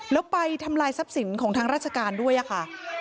แล้วไปทำลายทรัพย์สินของทางราชการด้วยค่ะ